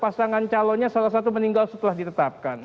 pasangan calonnya salah satu meninggal setelah ditetapkan